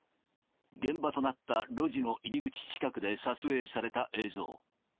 現場となった路地の入り口近くで撮影された映像。